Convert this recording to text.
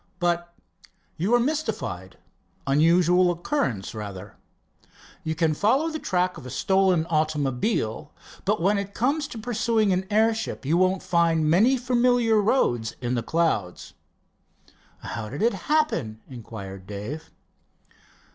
"But " "You are mystified unusual occurrence rather. You can follow the track of a stolen automobile. But when it comes to pursuing an airship, you won't find many familiar roads in the clouds." "How did it happen?" inquired Dave.